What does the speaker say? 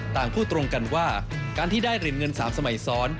ต่างพูดตรงกันว่าการที่ได้เหรียญเงิน๓สมัยซ้อน